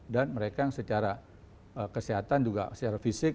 dan mereka yang secara kesehatan juga secara fisik